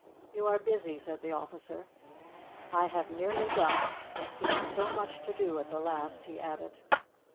"You are busy," said the officer. "I have nearly done. There seems so much to do at the last," he added.